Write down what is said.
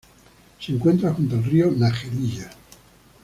Se encuentra junto al río Najerilla.